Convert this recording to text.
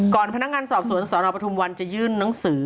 พนักงานสอบสวนสนปทุมวันจะยื่นหนังสือ